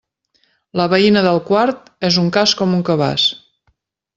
La veïna del quart és un cas com un cabàs.